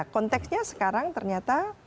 konteksnya sekarang ternyata